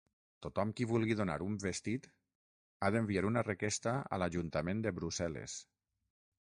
Tothom qui vulgui donar un vestit ha d'enviar una requesta a l'Ajuntament de Brussel·les.